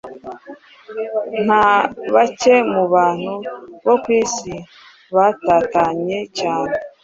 Nta bake mu bantu bo ku isi batatanye cyane